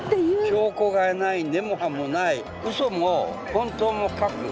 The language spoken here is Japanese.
証拠がない根も葉もないウソもホントも書く。